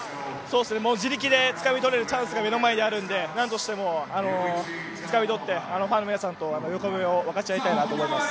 自力でつかみ取れるチャンスが目の前にあるんで、何としてもつかみ取って、ファンの皆さんと喜びを分かち合いたいなと思います。